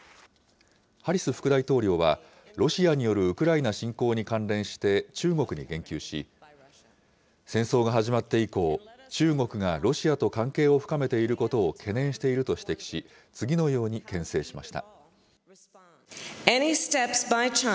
ハリス副大統領はロシアによるウクライナ侵攻に関連して中国に言及し、戦争が始まって以降、中国がロシアと関係を深めていることを懸念していると指摘し、次のようにけん制しました。